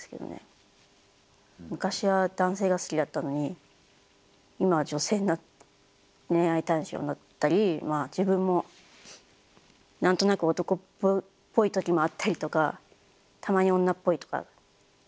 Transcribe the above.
昔は男性が好きだったのに今は女性が恋愛対象になったり自分も何となく男っぽい時もあったりとかたまに女っぽいとか。